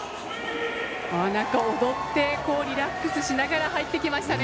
踊ってリラックスしながら入ってきましたね。